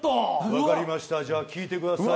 分かりましたじゃあ聴いてください。